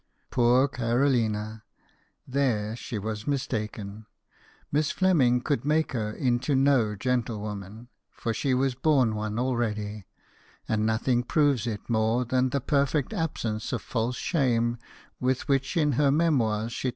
Poor Carolina, there she was mis taken : Miss Fleming could make her into no gentlewoman, for she was born one already, and nothing proves it more than the perfect absence of false shame with which in her memoirs she.